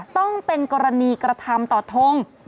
ต้องเป็นกรณีกระทำต่อทง